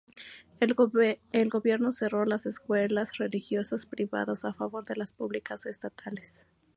El gobierno cerró las escuelas religiosas privadas a favor de las públicas estatales.